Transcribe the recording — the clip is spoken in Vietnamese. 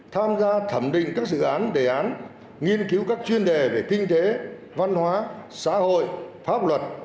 tham gia thẩm định các dự án đề án nghiên cứu các chuyên đề về kinh tế văn hóa xã hội pháp luật